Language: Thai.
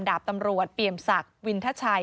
ดาบตำรวจเปี่ยมศักดิ์วินทชัย